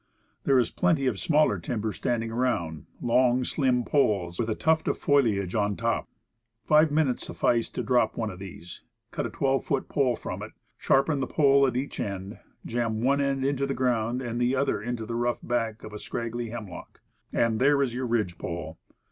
There is plenty of smaller tim ber standing around; long, slim poles, with a tuft of foliage on top. Five minutes suffices to drop one of these, cut a twelve foot pole from it, sharpen the pole at each end, jam one end into the ground and the other into the rough bark of a scraggy hemlock, and there is your ridge pole.